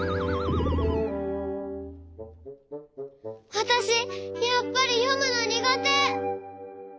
わたしやっぱりよむのにがて。